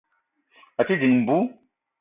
À te dìng mbú